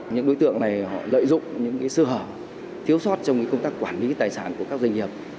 những đối tượng này họ lợi dụng những sơ hở thiếu sót trong công tác quản lý tài sản của các doanh nghiệp